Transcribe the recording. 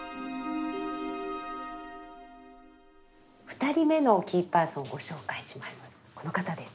２人目のキーパーソンご紹介します。